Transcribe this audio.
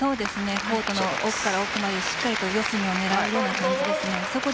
コートの奥から奥までしっかりと四隅を狙う動きです。